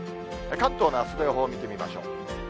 関東のあすの予報見てみましょう。